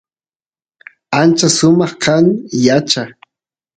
ancha sumaq kan yacha